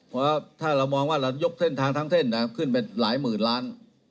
เพราะถ้าเรามองว่าเรายกเส้นทางทั้งเส้นขึ้นไปหลายหมื่นล้าน